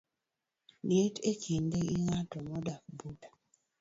liet e kinda gi ng'at modak buta